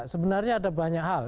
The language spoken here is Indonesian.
sebenarnya ada banyak hal